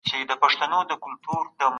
ورځني عادتونه مقاومت جوړوي.